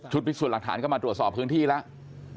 พิสูจน์หลักฐานก็มาตรวจสอบพื้นที่แล้ว